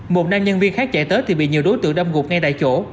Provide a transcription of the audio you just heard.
một nam nhân viên khác chạy tới thì bị nhiều đối tượng đâm gục ngay tại chỗ